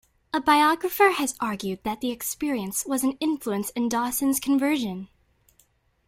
A biographer has argued that the experience was an influence in Dawson's conversion.